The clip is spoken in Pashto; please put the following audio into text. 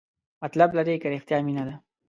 مطلب لري که رښتیا مینه ده؟